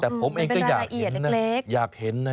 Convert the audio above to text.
แต่ผมเองก็อยากเห็นนะอยากเห็นนะ